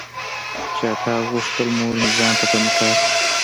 چې اکا غوښتل مورمې ځان ته په نکاح کړي.